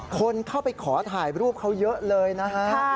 คนเข้าไปขอถ่ายรูปเขาเยอะเลยนะฮะ